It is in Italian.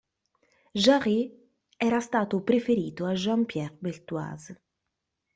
Jarier era stato preferito a Jean-Pierre Beltoise.